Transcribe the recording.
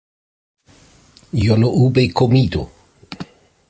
¿yo no hube comido?